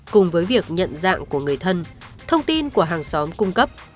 cùng với việc nhận dạng của người thân thông tin của hàng xóm cung cấp